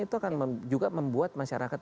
itu akan juga membuat masyarakat